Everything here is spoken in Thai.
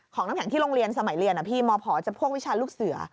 น้ำแข็งที่โรงเรียนสมัยเรียนพี่มผจะพวกวิชาลูกเสือ